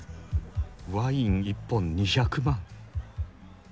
ワイン１本２００万！？